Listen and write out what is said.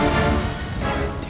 aku ingin mencintaimu